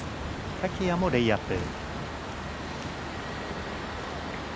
竹谷もレイアップ。